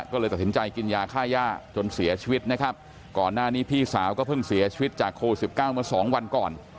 ก็เลยตัดสินใจกินยาฆ่าย่าจนเสียชีวิตนะครับก่อนหน้านี้พี่สาวก็เพิ่งเสียชีวิตจากโควิดสิบเก้าเมื่อสองวันก่อน